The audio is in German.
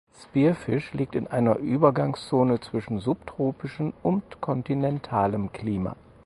Spearfish liegt in einer Übergangszone zwischen subtropischen und kontinentalem Klima.